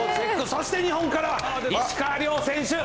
そして日本から石川遼選手。